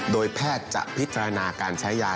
โดยแพทย์จะพิจารณาการใช้ยา